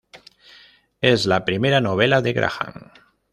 Es la primera novela de Graham.